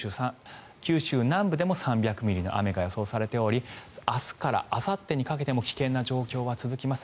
九州南部でも３００ミリの雨が予想されており明日からあさってにかけても危険な状況は続きます。